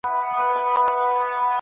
حقیقت کله ناکله تريخ وي.